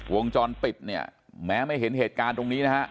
วงจรปิดเนี่ยแม้ไม่เห็นเหตุการณ์ตรงนี้นะฮะ